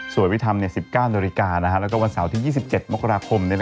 สวยวิธรรม๑๙นและวันเสาร์ที่๒๗มกราคม